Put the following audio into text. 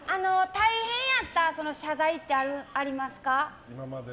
大変やった謝罪ってありますか？